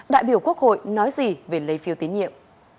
đại biểu quốc hội nói gì về lấy phiêu tiến nhiệm